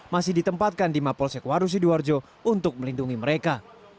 masih ditempatkan di mapol sek waru sidiwarjo untuk melindungi mereka